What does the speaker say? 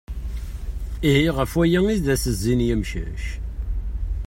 Ihi ɣef waya i as-zzin yemcac.